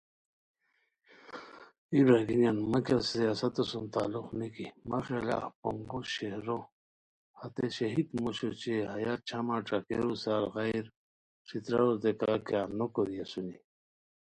ایے برار گینیان! مہ کیہ سیاستو سُم تعلق نِکی، مہ خیالہ اف پونگو شہرو ہتے شھید موشو اوچے ہیہ چھماݯھاکیرو سار غیر ݯھتراروتین کا کیاغ نوکوری اسونی